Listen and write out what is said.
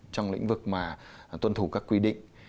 trong lĩnh vực mà tuân thủ các quy định